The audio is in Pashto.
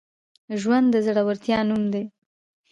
ژوند د زړورتیا نوم دی.